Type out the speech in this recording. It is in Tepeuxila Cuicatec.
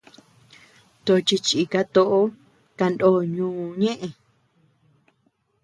Tochi chika toʼo kanó ñuu ñeʼe.